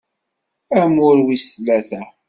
Amur wis tlata.